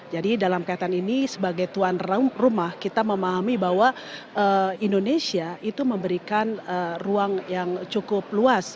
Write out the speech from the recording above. jadi dalam kaitan ini sebagai tuan rumah kita memahami bahwa indonesia itu memberikan ruang yang cukup luas